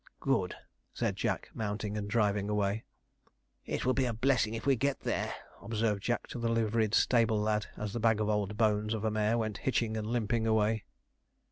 'Good,' said Jack, mounting and driving away. 'It will be a blessing if we get there,' observed Jack to the liveried stable lad, as the old bag of bones of a mare went hitching and limping away.